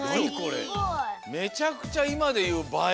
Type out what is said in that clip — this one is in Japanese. めちゃくちゃいまでいうばえ！